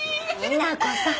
美奈子さん。